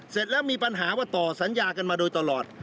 เสร็จแล้วมีปัญหาว่าต่อสัญญากันมาโดยตลอด